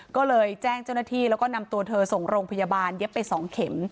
ก็เลยแจ้งเจ้าหน้าที่แล้วก็นำตัวเธอส่งโรงพยาบาลเย็บไป๒เข็ม